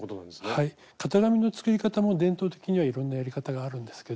型紙の作り方も伝統的にはいろんなやり方があるんですけど